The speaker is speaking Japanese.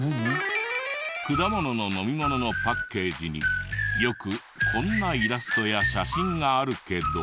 果物の飲み物のパッケージによくこんなイラストや写真があるけど。